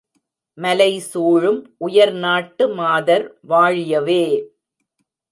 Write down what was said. மலைசூழும் உயர்நாட்டு மாதர்வா ழியவே!